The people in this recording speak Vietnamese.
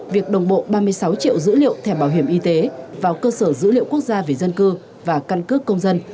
việc đồng bộ ba mươi sáu triệu dữ liệu thẻ bảo hiểm y tế vào cơ sở dữ liệu quốc gia về dân cư và căn cước công dân